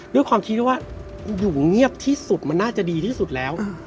ด้วยความคิดว่าอยู่เงียบที่สุดมันน่าจะดีที่สุดแล้ว